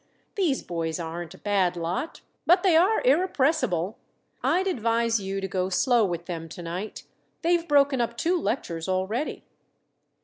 These boys aren't a bad lot; but they are irrepressible. I'd advise you to go slow with them to night. They've broken up two lectures already."